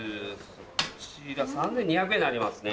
こちら３２００円になりますね。